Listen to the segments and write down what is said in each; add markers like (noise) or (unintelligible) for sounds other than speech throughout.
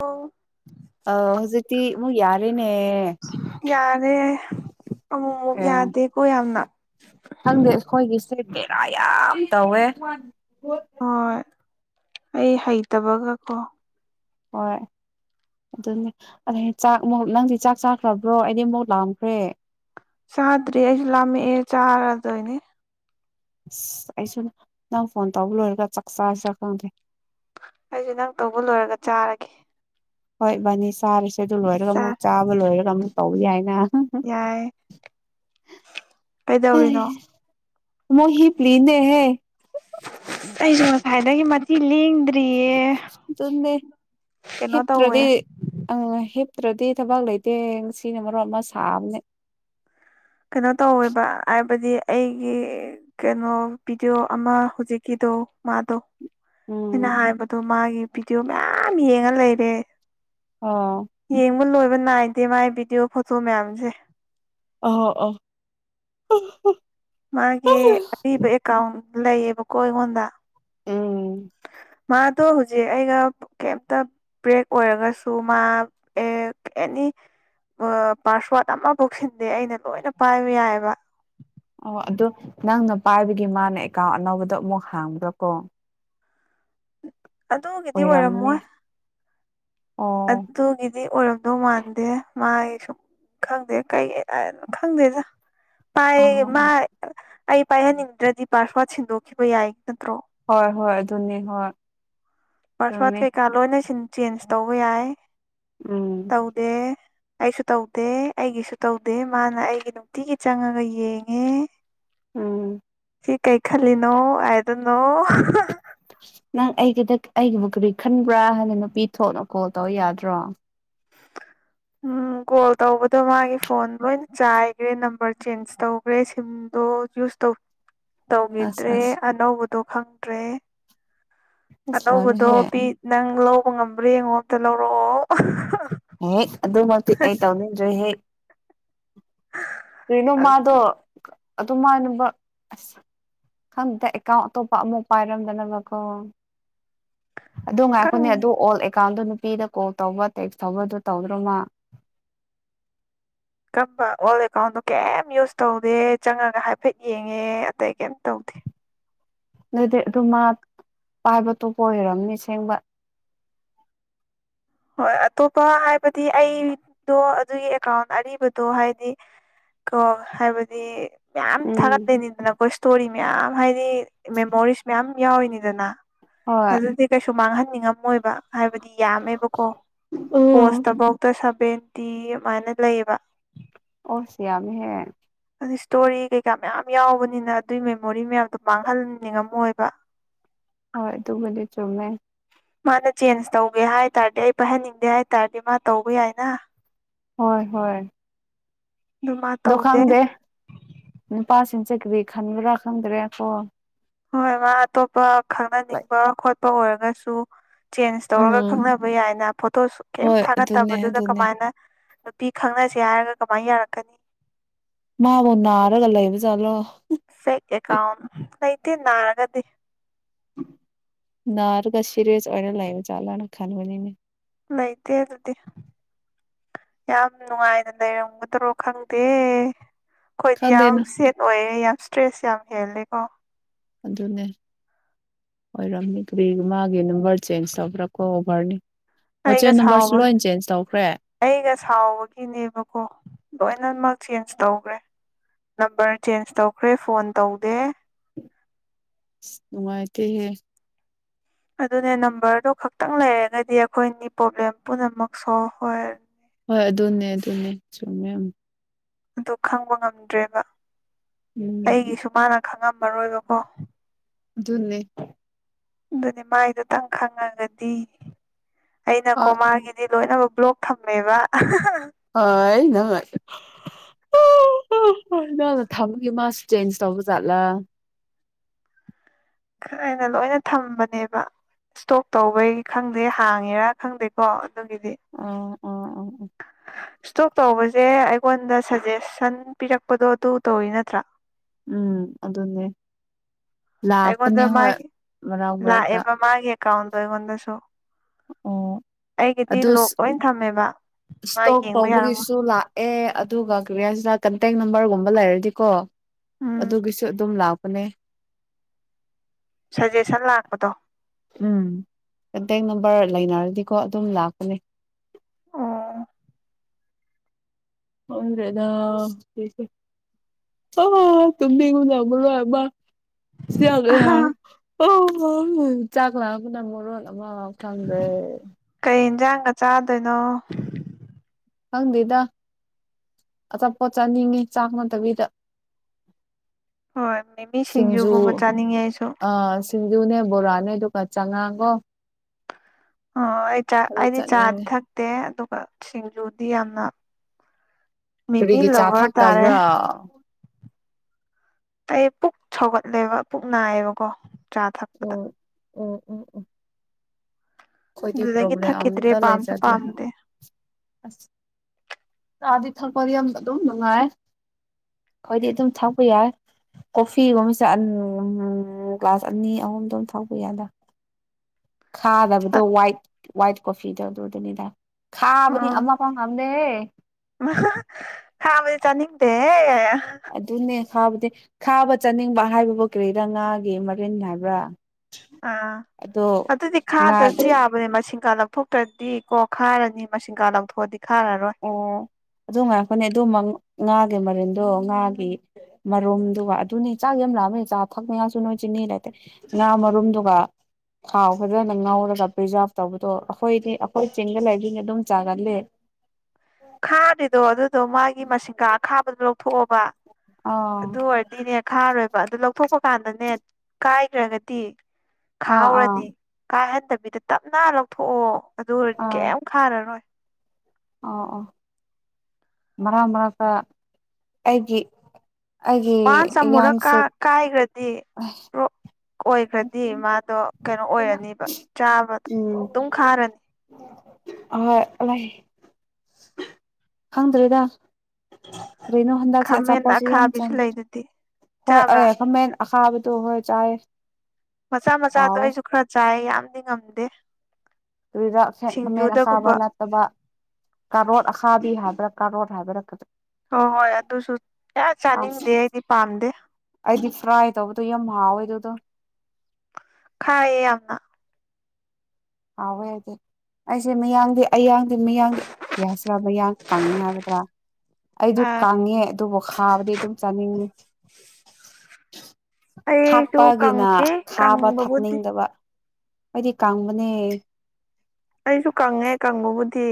ꯑꯣ ꯑ ꯍꯧꯖꯤꯛꯇꯤ ꯑꯃꯛ ꯌꯥꯔꯦꯅꯦ ꯑꯦ ꯑꯃ ꯌꯥꯗꯦꯀꯣ ꯌꯥꯝꯅ ꯈꯪꯗꯦ ꯑꯩꯈꯣꯏꯒꯤꯁꯦ ꯄꯦꯔꯥ ꯌꯥꯝ ꯇꯧꯋꯦ ꯍꯣꯏ ꯑꯩ ꯍꯩꯇꯕꯒ ꯀꯣ ꯍꯣꯏ ꯑꯗꯨꯅꯦ ꯑꯗ ꯆꯥꯛ ꯃꯛ ꯅꯪꯗꯤ ꯆꯥꯛ ꯆꯥꯈ꯭ꯔꯕ꯭ꯔꯣ ꯑꯩꯗꯤ ꯑꯃꯨꯛ ꯂꯥꯑꯈ꯭ꯔꯦ ꯆꯥꯗ꯭ꯔꯤ ꯑꯩ ꯂꯃꯤ ꯆꯥꯔꯗꯣꯏꯅꯦ ꯑꯁ ꯑꯩꯁꯨ ꯅꯪ ꯐꯣꯟ ꯇꯧꯕ ꯂꯣꯏꯔꯒ ꯆꯥꯛ ꯆꯥꯁꯤꯔꯥ ꯈꯪꯗꯦ ꯑꯩꯁꯨ ꯅꯪ ꯇꯧꯕ ꯂꯣꯏꯔꯒ ꯆꯥꯔꯒꯦ ꯍꯣꯏ ꯕꯥꯅꯤ ꯆꯥꯔꯤꯁꯦ ꯑꯗꯨ ꯂꯣꯏꯔꯒ ꯑꯃꯨꯛ ꯆꯥꯔꯦ ꯆꯥꯕ ꯂꯣꯏꯔꯒ ꯑꯃꯨꯛ ꯇꯧꯏꯤ ꯍꯥꯏꯅ ꯌꯥꯏ ꯀꯩꯗꯧꯔꯤꯅꯣ ꯃ ꯍ ꯄ ꯂꯤꯗ ꯍ ꯑꯩꯁꯨ ꯉꯁꯥꯏꯗꯒꯤ ꯃꯊꯤ ꯂꯦꯡꯗ ꯦ ꯍ ꯀꯩꯅꯣ ꯇꯧꯋꯦ ꯄ꯭ꯔꯗꯤ ꯑ ꯍꯞ ꯅꯠꯇ꯭ꯔꯗꯤ ꯊꯕꯛ ꯂꯩꯇꯦ ꯁꯤꯅ ꯃꯔꯣ ꯑꯃ ꯁꯥꯕꯅꯦ ꯀꯩꯅꯣ ꯇꯧꯋꯦꯕ ꯍꯥꯏꯕꯗꯤ ꯑꯩꯒꯤ ꯀꯩꯅꯣ ꯚꯤꯗꯤꯑꯣ ꯑꯃ ꯍꯧꯖꯤꯛꯀꯤꯗ ꯃꯥꯗꯣ ꯑꯩꯅ ꯎꯝ ꯍꯥꯏꯕꯗꯣ ꯃꯥꯒꯤ ꯚꯗꯤꯑꯣ ꯃꯌꯥꯝ ꯌꯦꯡꯉ ꯂꯩꯔꯦ ꯑꯣ ꯌꯦꯡꯕ ꯂꯣꯏꯕ ꯅꯥꯏꯗꯦ ꯃꯥꯏ ꯚꯤꯗꯤꯑꯣ ꯐꯣꯇꯣ ꯃꯌꯥꯝꯁꯦ ꯑ ꯑ ꯃꯥꯒꯤ ꯑꯔꯤꯕ ꯑꯦꯀꯥꯎꯟ ꯂꯩꯌꯦꯕꯀꯣ ꯑꯩꯉꯣꯟꯗ ꯎꯝ ꯃꯥꯗꯣ ꯍꯧꯖꯤꯛ ꯑꯩꯒ ꯀꯦꯞꯇ ꯕ꯭ꯔꯦꯛ ꯑꯣꯏꯔꯒꯁꯨ ꯃꯥ ꯑꯦ ꯑꯦꯅꯤ ꯄꯥꯁꯋꯥꯔꯗ ꯑꯃꯐꯧꯁꯤꯟꯗꯦ ꯑꯩꯅ ꯂꯣꯏꯅ ꯄꯥꯏꯕ ꯌꯥꯏꯑꯕ ꯑꯣ ꯑꯗꯨꯗ ꯅꯪꯅ ꯄꯥꯏꯕꯒꯤ ꯃꯥꯅ ꯑꯦꯀꯥꯎꯟ ꯑꯅꯧꯕꯗꯣ ꯑꯃꯨꯛ ꯍꯥꯡꯕ꯭ꯔꯥ ꯀꯣ ꯑꯗꯨꯒꯤꯗꯤ ꯑꯣꯏꯔꯝꯅꯤ ꯑꯣꯏꯔꯝꯃꯣꯏ ꯑꯣ ꯑꯗꯨꯒꯤꯗꯤ ꯑꯣꯏꯔꯝꯗꯧ ꯃꯥꯟꯗꯦ ꯃꯥꯒꯤ ꯁꯨꯝ ꯈꯪꯗꯦ ꯀꯩ ꯀꯩꯅ ꯈꯪꯗꯦꯖꯥ ꯄꯥꯏ ꯑꯣ ꯃꯥ ꯑꯣ ꯑꯩ ꯄꯥꯏꯍꯟꯅꯤꯡꯗ꯭ꯔꯗꯤ ꯄꯥꯔꯁ ꯄꯠ ꯁꯤꯟꯗꯣꯛꯈꯤꯕ ꯌꯥꯏ ꯅꯠꯇ꯭ꯔꯣ ꯍꯣꯏ ꯍꯣꯏ ꯑꯗꯨꯅꯤ ꯍꯣꯏ ꯄꯥꯁꯋꯥꯗ ꯆꯨꯝꯃꯤ ꯀꯩꯀꯥ ꯂꯣꯏꯅ ꯁꯤ ꯆꯦꯟꯖ ꯇꯧꯕ ꯌꯥꯏ ꯎꯝ ꯇꯧꯗꯦ ꯑꯩꯁꯨ ꯇꯧꯗꯦ ꯑꯩꯒꯤꯁꯨ ꯇꯧꯗꯦ ꯃꯥꯅ ꯑꯩꯒꯤ ꯅꯨꯡꯇꯤꯒꯤ ꯆꯪꯉꯒ ꯌꯦꯡꯉꯦ ꯎꯝ ꯀꯤ ꯀꯩ ꯈꯜꯂꯤꯅꯣ ꯍꯥꯏꯗꯅꯣ ꯅꯪ ꯑꯩꯒꯤꯗ ꯑꯩꯒꯤꯕꯨ ꯀꯔꯤ ꯈꯟꯕ꯭ꯔꯥ ꯍꯥꯏꯅ ꯅꯨꯄꯤ ꯊꯣꯛꯅ ꯀꯣꯜ ꯇꯧ ꯌꯥꯗ꯭ꯔꯣ (inaudible) ꯎꯝ ꯀꯣꯜ ꯇꯧꯕꯗꯣ ꯃꯥꯒꯤ ꯐꯣꯟ ꯂꯣꯏꯅ ꯆꯥꯏꯈ꯭ꯔꯦ ꯅꯝꯕꯔ ꯆꯦꯟꯖ ꯇꯧꯈ꯭ꯔꯦ ꯁꯤꯝꯗꯣ ꯌꯨꯁ ꯇ ꯑꯁ ꯇꯧꯈꯤꯗ꯭ꯔꯦ ꯑꯁ ꯑꯅꯧꯕꯗꯣ ꯈꯪꯗ꯭ꯔꯦ ꯑꯁ ꯑꯅꯧꯕꯗꯣ ꯂꯣꯏꯔꯦꯍꯦ ꯄꯤ ꯅꯪ ꯂꯧꯕ ꯉꯝꯕ꯭ꯔꯥ ꯌꯦꯡꯉꯣ ꯑꯝꯇ ꯂꯧꯔꯛꯑꯣ ꯍꯦ ꯑꯗꯨ ꯃꯥ ꯑ ꯇꯧꯅꯤꯗ꯭ꯔꯦ ꯍꯦ ꯀꯅꯣ ꯃꯥꯗꯣ ꯑꯗꯨ ꯑꯗꯨꯃꯅ ꯑꯁ ꯈꯪꯗ ꯑꯦꯀꯥꯎꯟ ꯑꯇꯣꯞꯄ ꯑꯃ ꯄꯥꯏꯔꯝꯗꯅꯕꯀꯣ ꯑꯗꯨ ꯈꯪ ꯉꯥꯏꯈꯅꯦ ꯑꯗꯨ ꯑꯣꯜ ꯑꯦꯀꯥꯎꯟꯗꯣ ꯅꯨꯄꯤꯗ ꯀꯣꯜ ꯇꯧꯕ ꯇꯦꯛꯁ ꯇꯧꯕꯗꯨ ꯇꯧꯗ꯭ꯔꯣꯃ ꯀꯝꯕ ꯑꯣꯜ ꯑꯦꯀꯥꯎꯟꯗꯣ ꯀꯩꯝ ꯌꯨꯁ ꯇꯧꯗꯦ ꯆꯪꯉꯒ ꯍꯥꯏꯐꯦꯠ ꯌꯦꯡꯉꯦ ꯑꯇꯩ ꯀꯩꯝ ꯇꯧꯗꯦ ꯦ ꯑꯗꯨꯗꯤ ꯑꯗꯨ ꯃꯥ ꯄꯥꯏꯕꯇꯣꯄ ꯑꯣꯏꯔꯝꯅꯤ ꯁꯦꯡꯕ ꯍꯣꯏ ꯑꯇꯣꯞꯄ ꯍꯥꯏꯕꯗꯤ ꯑꯩꯗꯣ ꯑꯗꯨꯒꯤ ꯑꯦꯀꯥꯎꯟ ꯑꯔꯤꯕꯗꯣ ꯍꯥꯏꯗꯤ ꯀꯣ ꯍꯥꯏꯕꯗꯤ ꯃꯌꯥꯝ ꯎꯝ ꯊꯥꯒꯠꯇꯂꯣꯏꯅꯤꯗꯅ ꯑꯩꯈꯣꯏ ꯏꯁꯇꯣꯔꯤ ꯃꯌꯥꯝ ꯍꯥꯏꯗꯤ ꯃꯦꯃꯣꯔꯤꯁ ꯃꯌꯥꯝ ꯌꯥꯎꯔꯤꯅꯤꯗꯅ ꯍꯣꯏ ꯑꯗꯨꯗꯤ ꯀꯩꯁꯨ ꯃꯥꯡꯍꯟꯅꯤꯡꯉꯝꯃꯣꯏꯕ ꯍꯥꯏꯕꯗꯤ ꯌꯥ ꯀꯣ ꯎꯝ ꯄꯣꯁꯇꯐꯧꯗ ꯁꯚꯦꯟꯇꯤ ꯑꯗꯨꯃꯥꯏꯅ ꯂꯩꯕ ꯁꯤ ꯌꯥꯝ ꯍꯦ ꯑꯗꯨ ꯏꯁꯇꯣꯔꯤ ꯀꯩꯀꯥ ꯃꯌꯥꯝ ꯌꯥꯎꯕꯅꯤꯅ ꯑꯗꯨꯒꯤ ꯃꯦꯃꯣꯔꯤ ꯃꯌꯥꯝꯗꯣ ꯃꯥꯡꯍꯟꯅꯤꯡꯉꯝꯃꯣꯏꯕ (unintelligible) ꯍꯣꯏ ꯑꯗꯨꯒꯗꯤ ꯆꯧꯃꯦ ꯃꯥꯅ ꯆꯦꯟꯖ ꯇꯧꯒꯦ ꯍꯥꯏ ꯇꯥꯔꯗꯤ ꯑꯩ ꯄꯥꯏꯍꯟꯅꯤꯡꯗꯦ ꯍꯥꯏ ꯇꯥꯔꯗꯤ ꯃꯥ ꯇꯧꯕ ꯌꯥꯏꯅ ꯍꯣꯏ ꯍꯣꯏ ꯑꯗꯨ ꯃꯥ ꯑꯗꯣ ꯇꯧꯗꯦ ꯈꯪꯗꯦ ꯅꯨꯄꯥꯁꯤꯡꯁꯦ ꯀꯔꯤ ꯈꯟꯕ꯭ꯔꯥ ꯈꯪꯗ꯭ꯔꯦ ꯀꯣ ꯍꯣꯏ ꯃꯥ ꯑꯇꯣꯞꯄ ꯈꯪꯅꯅꯤꯡꯕ ꯈꯣꯠꯄ ꯑꯣꯏꯔꯒꯁꯨ ꯆꯦꯟꯖ ꯇꯧꯔꯒ ꯎꯝ ꯈꯪꯅꯕ ꯌꯥꯏꯅ ꯐꯣꯇꯣꯁꯨ ꯀꯩꯝ ꯍꯣꯏ ꯑꯗꯨꯅꯦ ꯊꯥꯒꯠꯇꯕꯗꯨꯗ ꯑꯗꯨꯅꯦ ꯀꯃꯥꯏꯅ ꯅꯨꯄꯤ ꯈꯪꯅꯁꯦ ꯍꯥꯏꯔꯒ ꯀꯃꯥꯏꯅ ꯌꯥꯔꯛꯀꯅꯤ ꯃꯥꯕꯨꯟꯅꯅꯥꯔꯒ ꯂꯩꯕ ꯆꯠꯂꯣ ꯐꯦꯛ ꯑꯦꯀꯥꯎꯟ ꯂꯩꯇꯦ ꯅꯥꯔꯒꯗꯤ ꯅꯔꯒ ꯁꯤꯔ ꯑꯣꯅ ꯂꯕ ꯆꯥ ꯂꯅ ꯈꯥꯅ ꯍꯅꯤꯅꯦ ꯂꯩꯇꯦ ꯑꯗꯨ ꯑꯗꯨꯗꯤ ꯌꯥꯝ ꯅꯨꯡꯉꯥꯏꯅ ꯂꯩꯔꯝꯒꯗ꯭ꯔꯣ ꯈꯪꯗꯦ ꯑꯩꯈꯣꯏꯗꯤ ꯌꯥꯝ ꯈꯪꯗꯦꯅ ꯁꯦꯠ ꯑꯣꯏꯌꯦꯦ ꯌꯥꯝ ꯏꯁꯇ꯭ꯔꯦꯁ ꯌꯥꯝ ꯍꯦꯜꯂꯦ ꯀꯣ ꯑꯗꯨꯅꯦ ꯑꯣꯏꯔꯝꯃꯤ ꯀꯔꯤ ꯃꯥꯒꯤ ꯅꯝꯕꯔ ꯆꯦꯟꯖ ꯇꯧꯕ꯭ꯔꯥꯀꯣ ꯃꯣꯏꯆꯦ ꯑꯩꯒ ꯅꯝꯕꯔꯁꯨ ꯂꯣ ꯁꯥꯎꯕꯒꯤ ꯆꯦꯟꯖ ꯇꯧ ꯑꯩꯒ ꯁꯥꯎꯕꯒꯤꯅꯦꯕꯀꯣ ꯂꯣꯏꯅꯃꯛ ꯆꯦꯟꯖ ꯇꯧꯈ꯭ꯔꯦ ꯅꯝꯕꯔ ꯆꯦꯟꯖ ꯇꯧꯈ꯭ꯔꯦ ꯐꯣꯟ ꯇꯧꯗꯦ ꯅꯨꯡꯉꯥꯏ ꯀꯦꯍꯦ ꯑꯗꯨꯅꯦ ꯅꯝꯕꯔꯗꯣ ꯈꯛꯇꯪ ꯂꯩꯔꯒꯗꯤ ꯑꯩꯈꯣꯏꯅꯤ ꯄ꯭ꯔꯣꯕ꯭ꯂꯦꯝ ꯄꯨꯝꯅꯃꯛ ꯁꯣꯜꯕ ꯑꯣꯏꯔꯅꯤ ꯍꯣꯏ ꯑꯗꯨꯅꯦ ꯑꯗꯨꯅꯦ ꯆꯨꯝꯃꯦ ꯑꯗꯨ ꯈꯪꯕ ꯉꯝꯗ꯭ꯔꯦꯕ ꯎꯝ ꯑꯩꯒꯤꯁꯨ ꯃꯥꯅ ꯈꯪꯉꯝꯃꯔꯣꯏꯕꯀꯣ ꯟꯅꯅꯤ ꯑꯗꯨꯗꯤ ꯃꯒꯤꯗꯨꯇꯪ ꯈꯪꯉꯒꯗꯤ ꯑ ꯑꯩꯅꯀꯣ ꯃꯥꯒꯤꯗꯤ ꯂꯣꯏꯅꯃꯛ ꯕ꯭ꯂꯣꯛ ꯊꯝꯅꯦꯕ ꯍ ꯅ ꯅꯅ ꯊꯝ ꯌ ꯃꯥꯁ ꯆꯦꯟꯖ ꯇꯧꯕ ꯆꯠꯂ ꯍꯥꯏꯥꯏꯅ ꯂꯣꯏꯅ ꯊꯝꯕꯅꯦꯕ ꯏꯁꯇꯣꯛ ꯇꯧꯕꯩ ꯈꯪꯗꯦ ꯍꯥꯡꯉꯦꯔꯥ ꯈꯪꯗꯦꯀꯣ ꯑꯗꯨꯒꯤꯗꯤ ꯑ ꯑ ꯑ ꯏꯁꯇꯣꯛ ꯇꯧꯕꯁꯦ ꯑꯩꯉꯣꯟꯗ ꯁꯖꯦꯁꯟ ꯄꯤꯔꯛꯄꯗꯣ ꯑꯗꯨ ꯇꯧꯋꯤ ꯅꯠꯇ꯭ꯔꯥ ꯎꯝ ꯑꯗꯨꯗꯟꯅꯦ ꯑꯩꯉꯣꯟꯗ ꯃꯥꯒꯤ ꯃꯔꯛ ꯃꯔꯛꯇ ꯂꯥꯛꯑꯦꯕ ꯃꯥꯒꯤ ꯑꯦꯀꯥꯎꯟꯗꯣ ꯑꯩꯉꯣꯟꯗꯁꯨ ꯑꯣ ꯑꯩꯒꯤꯗꯤ ꯑꯗꯨ ꯂꯣꯛ ꯂꯣꯏ ꯊꯝꯃꯦꯕ ꯃꯥ ꯏꯁꯇꯣꯛ ꯌꯦꯡꯕ ꯌꯥꯔꯝꯃꯣ ꯇꯧꯕꯒꯤꯁꯨ ꯂꯥꯛꯑꯦ ꯑꯗꯨꯒ ꯀ꯭ꯔꯤꯌꯥꯁꯤꯗ ꯀꯟꯇꯦꯛ ꯅꯝꯕꯔꯒꯨꯝꯕ ꯂꯩꯔꯗꯤꯀꯣ ꯎꯝ ꯑꯗꯨꯒꯤꯁꯨ ꯑꯗꯨꯝ ꯂꯥꯛꯄꯅꯦ ꯁꯖꯦꯁꯟ ꯂꯥꯛꯄꯗꯣ ꯎꯝ ꯀꯟꯇꯦꯛ ꯅꯝꯕꯔ ꯂꯩꯅꯔꯗꯤꯀꯣ ꯑꯗꯨꯝ ꯂꯥꯛꯀꯅꯤ ꯑꯣ ꯑꯣꯗ꯭ꯔꯦꯗꯦ ꯑ ꯇꯨꯕꯤꯒꯨꯗꯕ ꯃꯥ ꯁꯤ ꯑꯣ ꯑꯍꯥ ꯆꯥꯛ ꯂꯥꯛ ꯀ ꯅ ꯃꯔꯔ ꯑꯃ ꯑꯣꯀꯗꯦ ꯏꯟꯖꯥꯡꯒ ꯆꯥꯗꯣꯏꯅꯣ ꯈꯪꯗꯦꯗ ꯑꯆꯥꯄꯣꯠ ꯆꯥꯅꯤꯡꯉꯤ ꯆꯥꯛ ꯃꯗꯕꯤꯗ ꯍꯣꯏ ꯃꯤꯃꯤ ꯁꯤꯡꯖꯨ ꯁꯤꯡꯖꯨꯒꯨꯝꯕ ꯆꯥꯅꯤꯡꯉꯦ ꯑꯩꯁꯨ ꯑ ꯁꯤꯡꯖꯨꯅꯦ ꯕꯣꯔꯥꯅꯦ ꯀ ꯆꯉꯥꯡꯒꯣ ꯑꯣ ꯑꯩ ꯆꯥ ꯑꯩꯗꯤ ꯆꯥꯗꯤ ꯊꯛꯇꯦ ꯑꯗꯨ ꯖꯨꯗꯤ ꯃꯤꯃꯤ ꯀꯔꯤꯒꯤ ꯆꯥ ꯂꯚꯔ ꯇꯥꯔꯦ ꯊꯛꯇꯕ꯭ꯔꯥ ꯀ ꯄꯨꯛ ꯁꯧꯒꯠꯂꯦꯕ ꯄꯨꯛ ꯅꯥꯏꯌꯦꯕꯀꯣ ꯆꯥ ꯊꯛꯄꯗ ꯎꯝ ꯎꯝ ꯎꯝ ꯑꯩꯈꯣꯏꯗꯤ ꯑꯗꯨꯗꯒꯤ ꯄ꯭ꯔꯣꯕ꯭ꯂꯦꯝ ꯊꯛꯈꯤꯗ꯭ꯔꯦ ꯑꯇ ꯄꯥꯝꯁꯨ ꯂꯩꯖꯗ꯭ꯔꯦ ꯄꯥꯝꯗꯦ ꯑꯁ ꯆꯥꯗꯤ ꯊꯛꯄꯗꯤ ꯌꯥꯝꯅ ꯑꯗꯨꯝ ꯅꯨꯡꯉꯥꯏ ꯑꯩꯈꯣꯏꯗꯤ ꯑꯗꯨꯝ ꯊꯛꯄ ꯌꯥꯏ ꯀꯣꯐꯤꯒꯨꯝꯕꯁꯦ ꯒ꯭ꯂꯥꯁ ꯑꯅꯤ ꯑꯍꯨꯝꯗꯣꯝ ꯊꯥꯄ ꯌꯥꯗ ꯈꯥꯗꯕꯗꯣ ꯋꯥꯏ ꯋꯥꯏꯠ ꯀꯣꯐꯤꯗꯧꯗ ꯑꯗꯨꯅꯤꯗ ꯈꯥꯕ ꯎꯝ ꯑꯝꯃ ꯄ ꯑꯝꯗ ꯍꯦ ꯄꯦ ꯊꯥꯕꯗꯤ ꯊꯥꯕ ꯆꯥꯅꯤꯡꯕ ꯍꯥꯏꯕꯕꯨ ꯀꯔꯤꯔ ꯉꯥꯒꯤ ꯃꯔꯤꯟ ꯍꯥꯏꯕ꯭ꯔꯥ ꯑꯥ ꯑꯗꯣ ꯑꯗꯨꯗꯤ ꯉꯥ ꯈꯥꯗ꯭ꯔꯁꯨ ꯌꯥꯕꯅꯦ ꯃꯁꯤꯡ ꯀꯂ ꯂꯧꯊꯣꯛꯇ꯭ꯔꯗꯤ ꯀꯣ ꯈꯥꯏꯔꯅꯤ ꯃꯁꯤꯡ ꯀꯥ ꯂꯧꯊꯣꯛꯑꯗꯤ ꯈꯥꯔꯔꯣꯏ ꯑꯣ ꯑꯗꯨ ꯉꯥꯛꯄꯅꯦ ꯑꯗꯨꯃꯛ ꯉꯥꯒꯤ ꯃꯔꯦꯟꯗꯣ ꯉꯥꯒꯤ ꯃꯔꯨꯝꯗꯨꯒ ꯑꯗꯨꯅꯤ ꯆꯥꯛ ꯌꯥꯝ ꯂꯛꯑꯃꯦꯅꯤ ꯆꯥ ꯊꯛꯅꯤꯉꯁꯨ ꯅꯣꯏ ꯆꯤꯡ ꯂꯩꯇꯦ ꯉꯅꯥ ꯃꯔꯨꯝꯗꯨꯒ ꯊꯥꯎ ꯐꯖꯅ ꯉꯧꯔꯒ ꯄ꯭ꯔꯤꯖꯥꯚ ꯇꯧꯕꯗꯣ ꯑꯩꯈꯣꯏꯗꯤ ꯑꯩꯈꯣꯏ ꯆꯤꯡꯗ ꯂꯥꯏꯁꯤꯡ ꯑꯗꯨꯝ ꯆꯥꯒꯂ ꯈꯥꯗꯗꯨꯣ ꯑꯗꯨ ꯑꯗꯣ ꯃꯥꯒꯤ ꯃꯁꯤꯡꯀꯥ ꯑꯈꯥꯕꯗꯣ ꯂꯧꯊꯣꯛꯑꯣꯕ ꯑꯥ ꯑꯗꯨ ꯑꯣꯏꯔꯗꯤꯅꯦ ꯊꯥꯔꯣꯏꯕ ꯑꯗꯨ ꯂꯧꯊꯣꯛꯄ ꯀꯥꯟꯗꯅꯦ ꯀꯥꯏꯈ꯭ꯔꯒꯗꯤ ꯑꯥ ꯑꯥ ꯈꯥꯎꯔꯗꯤ ꯀꯥꯏꯍꯟꯗꯕꯤꯗ ꯇꯞꯅ ꯂꯧꯊꯣꯛꯑꯣ ꯑꯗꯨ ꯑꯣꯏꯔꯗꯤ ꯀꯩ ꯈꯥꯔꯔꯣꯏ ꯑꯣ ꯑꯣ ꯃꯔꯥꯡ ꯃꯔꯥꯡꯀ ꯑꯩꯒꯤ ꯋꯥꯟꯁ ꯑꯦ ꯑꯃꯨꯔꯛ ꯀꯥ ꯌꯥꯥꯡꯁꯦ ꯀꯥꯏꯈ꯭ꯔꯗꯤ ꯑꯁ ꯕ꯭ꯔꯣꯛ ꯑꯣꯏꯈ꯭ꯔꯗꯤ ꯃꯥꯗꯣ ꯀꯩꯅꯣ ꯑꯣꯏꯔꯅꯤꯕ ꯆꯥꯕꯗꯣ ꯑꯗꯨꯝ ꯈꯥꯔꯅꯤ ꯑꯣꯏ ꯑ ꯈꯪꯗ꯭ꯔꯦꯗ ꯀꯅꯣ ꯍꯟꯗꯛꯁꯦ ꯈꯥꯃꯦꯟ ꯑꯆꯥꯄꯣꯠꯁꯨ ꯌꯥꯝ ꯑꯈꯥꯕꯤꯁꯨ ꯆꯪꯉ ꯂꯩꯗꯨꯗꯤ ꯍꯣꯏ ꯆꯥꯕ꯭ꯔꯥ ꯑꯩꯃꯦꯟ ꯑꯈꯥꯕꯗ ꯑꯣꯏꯣꯏ ꯆꯦ ꯃꯆꯥ ꯃꯆꯥꯗꯣ ꯑꯩꯁꯨ ꯈꯔ ꯆꯥꯏ ꯌꯥꯝꯗꯤ ꯉꯝꯗꯦ ꯇꯨꯔꯤꯔꯥꯛ ꯈꯦꯛ ꯈꯃꯦꯟ ꯑꯁꯥꯕ ꯁꯤꯡꯖꯨꯗꯒꯨꯝꯕ ꯅꯠꯇꯕ ꯀꯥꯔꯣ ꯑꯈꯥꯕ ꯍꯥꯏꯕ꯭ꯔꯛꯀꯥꯔꯣ ꯍꯥꯏꯔꯛꯀꯗꯣ ꯍꯣꯏ ꯍꯣꯏ ꯑꯗꯨꯁꯨ ꯀꯌꯥ ꯑꯁ ꯆꯥꯅꯤꯡꯗꯦ ꯑꯩꯗꯤ ꯄꯥꯝꯗꯦ ꯑꯩꯗꯤ ꯐ꯭ꯔꯥꯏ ꯇꯧꯕꯗꯣ ꯌꯥꯝ ꯍꯥꯎꯋꯦ ꯑꯗꯨꯗꯣ ꯈꯥꯏꯌꯦ ꯌꯥꯝꯝꯅ ꯑꯋꯣꯏ ꯌꯥꯗꯤꯦ ꯑꯩꯁꯦ ꯃꯌꯥꯡꯗꯤ ꯑꯌꯥꯡꯗꯤ ꯃꯌꯥꯡꯗꯤ ꯀ ꯍꯥꯏꯁꯤ꯭ꯔꯥ ꯃꯌꯥꯡ ꯀꯪꯅꯤ ꯍꯥꯏꯒꯗ꯭ꯔꯥ ꯑꯩꯁꯨ ꯑꯥ ꯀꯪꯉꯦ ꯑꯗꯨꯕꯨ ꯍꯥꯥꯕꯗꯤ ꯑꯗꯨꯝ ꯆꯥꯅꯤꯡꯉꯤ ꯑꯩꯁꯨ ꯊꯥꯛꯄꯒꯤꯅ ꯀꯪꯉꯦ ꯈꯥꯕ ꯀꯪꯕꯕꯨꯗꯤ ꯊꯛꯅꯤꯡꯗꯕ ꯑꯩꯗꯤ ꯀꯪꯕꯅꯦ ꯑꯩꯁꯨ ꯀꯪꯉꯦ ꯀꯪꯕꯕꯨꯗꯤ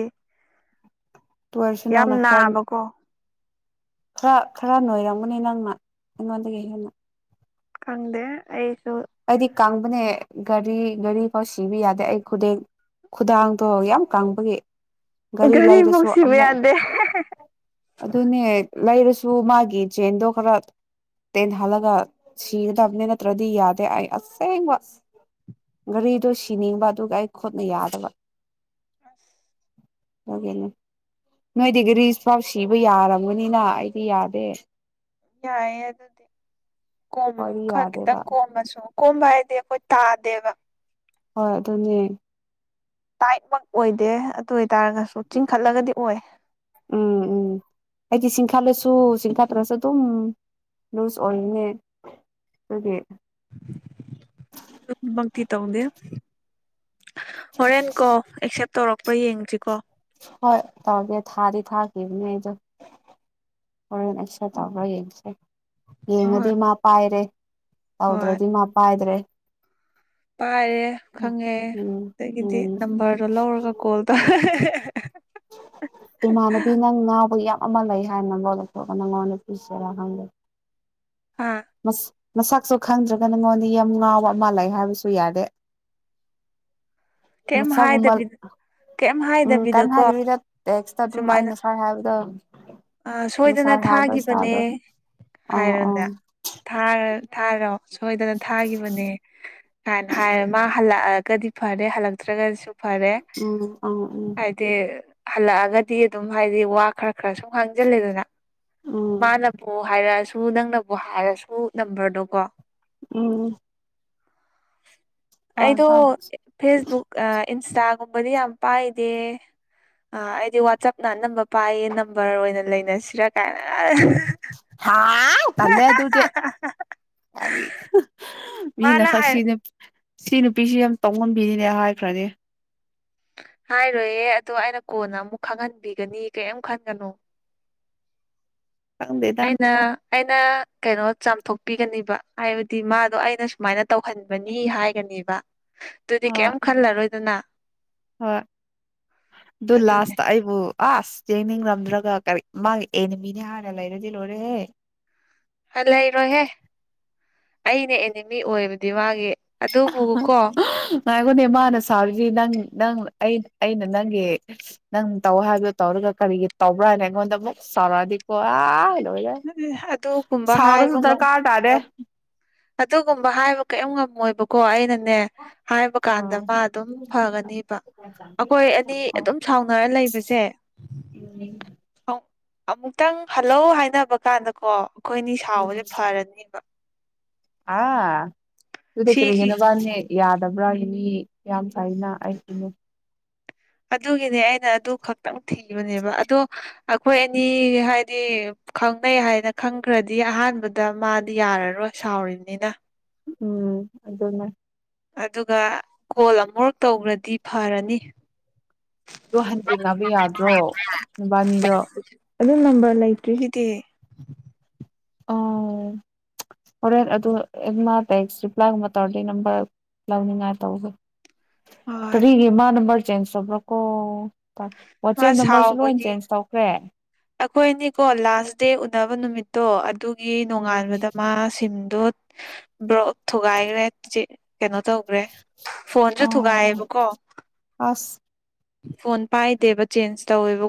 ꯑꯣꯏꯔꯁꯨ ꯌꯥꯝ ꯅꯪꯅ ꯈꯔ ꯅꯥꯕꯀꯣ ꯈꯔ ꯈꯔ ꯅꯣꯏꯔꯝꯒꯅꯤ ꯅꯪꯅ ꯑꯩꯉꯣꯟꯗꯒꯤ ꯍꯦꯟꯅ ꯈꯪꯗꯦ ꯑꯩꯁꯨ ꯀꯥꯡꯕꯅꯦ ꯒꯥꯔꯤ ꯒꯥꯔꯤ ꯐꯥꯎ ꯁꯤꯕ ꯌꯥꯗꯦ ꯑꯩ ꯈꯨꯗꯦꯛ ꯈꯨꯗꯥꯡꯗꯣ ꯌꯥꯝ ꯀꯪꯕꯒꯤ ꯒꯥꯔꯤ ꯒꯥꯔꯤꯐꯧ ꯂꯩꯔꯁꯨ ꯁꯤꯕ ꯑꯃꯨꯛ ꯌꯥꯗꯦ ꯑꯗꯨꯅꯦ ꯂꯩꯔꯁꯨ ꯃꯥꯒꯤ ꯆꯦꯟꯗꯣ ꯈꯔ ꯇꯅ ꯍꯂꯒ ꯁꯤꯗꯕꯅꯤꯅꯠꯇ꯭ꯔꯗꯤ ꯌꯥꯗ ꯑꯩ ꯑꯁꯦꯡꯕ ꯘꯔꯤꯗꯨꯣ ꯁꯤꯅꯤꯡꯕ ꯑꯗꯨꯒ ꯑꯩ ꯈꯨꯣꯠꯅ ꯌꯥꯗꯕ ꯑ ꯍꯒꯦꯅꯦ ꯅꯣꯏꯗꯤꯒ ꯔꯤꯁ ꯄꯥꯎ ꯁꯤꯕ ꯌꯥꯔꯝꯒꯅꯤꯅ ꯑꯩꯗꯤ ꯌꯥꯗꯦ ꯌꯥꯏꯌꯦ ꯑꯗꯨꯗꯤ ꯀꯣꯝꯃꯨ ꯍꯣꯏꯗꯤ ꯈꯔ ꯌꯥꯗꯦꯕ ꯈꯤꯇꯪ ꯀꯣꯝꯃꯁꯨ ꯀꯣꯝꯝꯕ ꯍꯥꯏꯗꯤ ꯑꯩꯈꯣꯏ ꯇꯥꯗꯦꯕ ꯍꯣꯏ ꯑꯗꯨꯅꯦ ꯇꯥꯏꯠꯃꯛ ꯑꯣꯏꯗꯦ ꯑꯗꯨ ꯍꯥꯏꯇꯥꯥꯔꯒꯁꯨ ꯆꯤꯡꯈꯠꯂꯒꯗꯤ ꯑꯣꯏ ꯁꯥꯠꯂꯁꯨ ꯆꯤꯡꯊꯥꯗ꯭ꯔꯁꯨ ꯑꯗꯨꯝ ꯂꯨꯖ ꯑꯣꯟꯅꯤ ꯑꯗꯨꯗꯤ ꯃꯪꯀꯤ ꯇꯣꯡꯒꯦ ꯍꯣꯔꯦꯟ ꯀꯣ ꯑꯦꯛꯁꯦꯞ ꯇꯧꯔꯛꯄ ꯌꯦꯡꯗ꯭ꯔꯤꯀꯣ ꯍꯣꯏ ꯇꯒ ꯊꯥꯔꯤ ꯊꯥ ꯀ ꯅꯗ ꯍꯣꯔꯦꯟ ꯑꯩꯁ ꯇꯧꯧꯕ꯭ꯔꯥ ꯌꯦꯡꯁꯦ ꯍꯣꯏ ꯌꯦꯡꯉꯗꯤ ꯃꯥ ꯄꯥꯏꯔꯦ ꯍꯥꯎꯗ꯭ꯔꯣ ꯍꯣꯏ ꯅꯤꯡꯃ ꯑꯄ ꯍꯥꯏꯗ꯭ꯔꯦ ꯄꯥꯏꯔꯦ ꯈꯪꯉꯦ ꯎꯝ ꯑꯗꯒꯤꯗꯤ ꯎꯝ ꯅꯝꯕꯔꯗꯣ ꯂꯧꯔꯒ ꯀꯣꯜ ꯇꯧ ꯏꯃꯅꯕꯤꯅ ꯉ ꯕꯨ ꯌꯥꯝ ꯑꯃ ꯂꯩ ꯍꯥꯏꯅ ꯂꯣꯟꯗꯊꯑꯒ ꯅꯉꯣꯟꯗꯄꯤꯁꯤꯔꯥ ꯍꯪꯒꯦ ꯍꯥ ꯃꯁꯛꯁꯨ ꯈꯪꯗ꯭ꯔꯒ ꯅꯉꯣꯟꯗ ꯌꯥꯝ ꯉꯥꯎꯕ ꯑꯃ ꯂꯩ ꯍꯥꯏꯕꯁꯨ ꯌꯥꯔꯦ ꯀꯩꯝ ꯃꯁꯒꯨꯝꯕꯜ ꯍꯥꯏꯗꯕꯤꯗ ꯀꯩꯝ ꯎꯝ ꯀꯥꯟ ꯍꯥꯏꯗꯕꯤꯗꯀꯣ ꯍꯥꯏꯔꯤꯕꯕꯤꯗ ꯇꯦꯛꯁꯇ ꯑꯗꯨꯝ ꯑꯩ ꯉꯁꯥꯏ ꯍꯥꯏꯕꯗꯣ ꯑ ꯁꯣꯏꯗꯅ ꯉꯁꯥꯏ ꯍꯥꯏꯕ ꯏꯁꯇꯥꯏꯜꯗꯣ ꯊꯥꯈꯤꯕꯅꯦ ꯑꯥ ꯑꯥ ꯍꯥꯏꯔ ꯊꯥꯔ ꯊꯥꯔꯣ ꯁꯣꯏꯗꯅ ꯊꯥꯈꯤꯕꯅꯦ ꯀꯥꯏꯅ ꯍꯥꯏꯔ ꯃꯥ ꯍꯜꯂꯛꯑꯒꯗꯤ ꯐꯔꯦ ꯍꯜꯂꯛꯇ꯭ꯔꯒꯗꯤꯁꯨ ꯐꯔꯦ ꯎꯝ ꯎꯝ ꯎꯝ ꯍꯥꯏꯗꯤ ꯍꯜꯂꯛꯑꯒꯗꯤ ꯑꯗꯨꯝ ꯍꯥꯏꯗꯤ ꯋꯥ ꯈꯔ ꯈꯔ ꯁꯨꯝ ꯍꯥꯡꯖꯤꯂꯦꯗꯅ ꯎꯝ ꯃꯥꯅꯕꯨꯣ ꯍꯥꯏꯔꯛꯑ ꯁꯨ ꯅꯪꯅꯕꯨ ꯍꯥꯏꯔꯁꯨ ꯅꯝꯕꯔꯗꯣ ꯀꯣ ꯎꯝ ꯍꯣꯏ ꯑꯩꯗꯣ ꯍꯣꯏ ꯐꯦꯁꯕꯨꯛ ꯏꯟꯁꯇꯥꯒꯨꯝꯕꯗꯤ ꯌꯥꯝ ꯄꯥꯏꯗꯦ ꯑ ꯑꯩꯗꯤ ꯋꯥꯆꯞꯅ ꯑꯅꯝꯕ ꯄꯥꯏꯌꯦ ꯅꯝꯕꯔ ꯑꯣꯏꯅ ꯂꯩꯅꯁꯤꯔꯥ ꯀꯥꯏꯅ ꯍꯥ ꯀꯂꯦ ꯑꯗꯨꯕꯨꯦ ꯑ ꯃꯤꯅ ꯃꯥꯅ ꯍꯥꯏ ꯈꯁꯤꯅꯦ ꯁꯤ ꯅꯨꯄꯤꯁꯤ ꯌꯥꯝ ꯇꯧꯉꯝꯕꯤꯅꯤꯅꯦ ꯍꯥꯏꯈ꯭ꯔꯅꯦ ꯍꯥꯏꯔꯣꯏꯌꯦꯦ ꯑꯗꯣ ꯑꯩꯅ ꯀꯣꯟꯅ ꯑꯃꯨꯛ ꯈꯪꯍꯟꯕꯤꯒꯅꯤ ꯀꯔꯤꯝ ꯈꯟꯒꯅꯨ ꯊꯪꯗꯦꯗ ꯑꯩꯅ ꯑꯩꯅ ꯀꯩꯅꯣ ꯆꯥꯝꯊꯣꯛꯄꯤꯒꯅꯦꯕ ꯍꯥꯏꯕꯗꯤ ꯃꯥꯗꯣ ꯑꯩꯅ ꯁꯨꯃꯥꯏꯅ ꯇꯧꯍꯟꯕꯅꯤ ꯍꯥꯏꯒꯅꯦꯕ ꯑꯗꯨꯗꯤ ꯍꯣꯏ ꯀꯩꯝ ꯈꯜꯂꯔꯣꯏꯗꯅ ꯍꯣꯏ ꯑꯗꯨ ꯑꯗꯨꯅꯦ ꯂꯥꯁꯇ ꯑꯩꯕꯨ ꯑꯁ ꯌꯦꯡꯅꯤꯡꯔꯝꯗ꯭ꯔꯒ ꯀꯔꯤ ꯃꯥꯒꯤ ꯑꯦꯅꯤꯃꯤꯅꯦ ꯍꯥꯟꯅ ꯂꯩꯔꯗꯤ ꯂꯣꯏꯔꯦꯍꯦ ꯂꯩꯔꯣꯏꯍꯦ ꯑꯅꯦ ꯑꯦꯅꯤꯃꯤ ꯑꯣꯏꯕꯗꯤ ꯃꯥꯒꯤ ꯑꯗꯨꯕꯨ ꯀꯣ ꯑꯗꯨꯅꯦ ꯃꯥꯅ ꯁꯥꯔꯤꯁꯤ ꯅ ꯅ ꯑꯩꯅ ꯅꯪꯒꯤ ꯅꯪ ꯇꯧ ꯍꯥꯏꯕꯗꯣ ꯇꯧꯔꯒ ꯀꯔꯤꯒꯤ ꯇꯧꯕ꯭ꯔꯥ ꯍꯥꯏꯅ ꯑꯩꯉꯣꯟꯗ ꯑꯃꯨꯛ ꯁꯔꯗꯤꯀꯣꯋꯥ ꯑꯗꯨꯒꯨꯝꯕ ꯁꯥꯎꯅ ꯍꯥꯏꯕ ꯁꯗꯔ ꯉꯝ ꯀꯥ ꯇꯥꯔꯦ ꯑꯗꯨꯒꯨꯝꯕ ꯍꯥꯏꯕ ꯀꯔꯤꯝ ꯉꯝꯃꯣꯏꯕꯀꯣ ꯑꯩꯅ ꯅꯦ ꯍꯥꯏꯕ ꯀꯥꯟꯗ ꯑꯥ ꯃꯥ ꯑꯗꯨꯝ ꯐꯒꯅꯦꯕ ꯑ ꯑꯩꯈꯣꯏ ꯑꯅꯤ ꯑꯗꯨꯝ ꯁꯥꯎꯅꯔ ꯂꯩꯕꯁꯦ ꯑꯃꯨꯛꯇꯪ ꯍꯜꯂꯧ ꯍꯥꯏꯅꯕ ꯀꯥꯟꯗꯀꯣ ꯑꯩꯈꯣꯏ ꯑꯅꯤ ꯁꯥꯎꯕꯁꯦ ꯐꯔꯅꯦꯕ ꯑ ꯁꯤꯗꯤ ꯁꯤꯒꯤ ꯀꯔꯤꯅ ꯋꯥꯅꯤꯦ ꯌꯥꯗꯕ꯭ꯔꯥꯒꯤ ꯃꯤ ꯌꯥꯝꯌꯥꯝ ꯀꯥꯏꯅ ꯑꯩ ꯏꯅꯨ ꯑꯗꯨꯒꯤꯅꯦ ꯑꯩꯅ ꯑꯗꯨ ꯈꯛꯇꯪ ꯊꯤꯕꯅꯦꯕ ꯑꯗꯣ ꯑꯩꯈꯣꯏ ꯑꯅꯤ ꯍꯥꯏꯗꯤ ꯈꯪꯅꯩ ꯍꯥꯏꯅ ꯈꯪꯈ꯭ꯔꯗꯤ ꯑꯍꯥꯟꯕꯗ ꯃꯥꯗꯤ ꯌꯥꯔꯔꯣꯏ ꯁꯥꯎꯔꯤꯅꯤꯅ ꯎꯝ ꯑꯗꯨꯗꯅ ꯑꯗꯨꯒ ꯀꯣꯜ ꯑꯃꯔꯛ ꯇꯧꯕ꯭ꯔꯗꯤ ꯐꯔꯅꯤ ꯑꯗꯣ ꯍꯟꯖꯤꯟꯅꯉꯕ ꯌꯥꯗ꯭ꯔꯣ ꯅꯨꯕꯥꯅꯤꯗꯣ ꯑꯗꯨ ꯅꯝꯕꯔ ꯂꯩꯇ꯭ꯔꯤꯒꯤꯗꯤ ꯑꯣ ꯍꯣꯔꯦꯟ ꯑꯗꯨ ꯑꯦꯃꯥ ꯇꯦꯛꯁ ꯔꯤꯄ꯭ꯂꯥꯏꯒꯨꯝꯕ ꯇꯧꯔꯗꯤ ꯅꯝꯕꯔ ꯂꯧꯅꯤꯡꯉꯥꯏ ꯇꯧꯒꯦ ꯍꯣꯏ ꯀꯔꯤꯒꯤ ꯃꯥ ꯅꯝꯕꯔ ꯆꯦꯟꯖ ꯇꯧꯕ꯭ꯔꯣ ꯀꯣ ꯃꯥ ꯋꯥꯆꯦꯞ ꯅꯝꯕꯔꯁꯨ ꯂꯣꯏ ꯁꯥꯎꯕꯒꯤ ꯆꯦꯟꯖ ꯇꯧꯈ꯭ꯔꯦ ꯑꯩꯈꯣꯏꯅꯤꯀꯣ ꯂꯥꯁ ꯗꯦ ꯎꯅꯕ ꯅꯨꯃꯤꯠꯇꯣ ꯑꯗꯨꯒꯤ ꯅꯣꯡꯉꯥꯟꯕꯗ ꯎꯝ ꯃꯥ ꯁꯤꯝ ꯭ꯔꯣ ꯊꯒꯒꯦꯦ ꯀꯩꯅꯣ ꯇꯧꯈ꯭ꯔꯦ ꯐꯣꯟꯁꯨ ꯑꯣ ꯊꯨꯒꯥꯏꯑꯌꯦꯕꯀꯣ ꯑꯁ ꯐꯣꯟ ꯄꯥꯏꯗꯦꯕ ꯆꯦꯟꯖ ꯇꯧꯋꯦꯕ